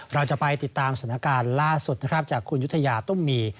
เราจะไปติดตามสถานการณ์ล่าสุดนะครับจากคุณยุธยาตุ้มมี